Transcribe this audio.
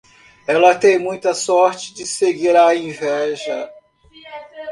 Ela tem muita sorte de seguir a inveja.